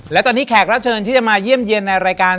และตอนนี้แขกรับเชิญที่จะมาเยี่ยมเยี่ยมในรายการ